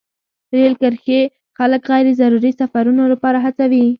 رېل کرښې خلک غیر ضروري سفرونو لپاره هڅوي.